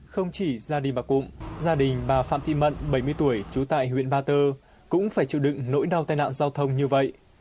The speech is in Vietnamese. không chỉ gia đình bà cụng gia đình bà phạm thị mận bảy mươi tuổi trú tại huyện ba tơ cũng phải chịu đựng nỗi đau tai nạn giao thông như vậy